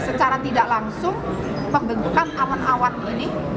secara tidak langsung pembentukan awan awan ini